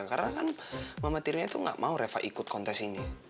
karena kan mama tirinya tuh gak mau reva ikut kontes ini